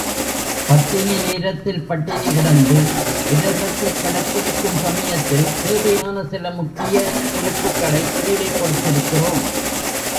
பட்டினி நேரத்தில் பட்டினி கிடந்து விரதத்தைக் கடைப்பிடிக்கும் சமயத்தில், தேவையான சில முக்கிய குறிப்புக்களைக் கீழே கொடுத்திருக்கிறோம்.